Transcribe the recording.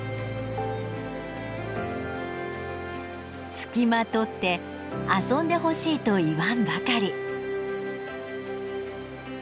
付きまとって遊んでほしいと言わんばかり。